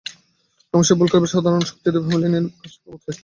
রমেশের ভুল করিবার অসাধারণ শক্তিতে হেমনলিনীর অত্যন্ত আমোদ বোধ হয়।